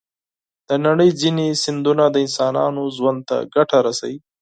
د نړۍ ځینې سیندونه د انسانانو ژوند ته ګټه رسوي.